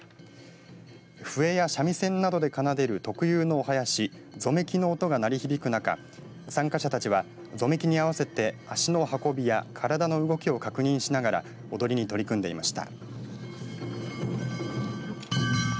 笛や三味線などで奏でる特有のお囃子ぞめきの音が鳴り響く中参加者たちは、ぞめきに合わせて足の運びや体の動きを確認しながら踊りに取り組んでいました。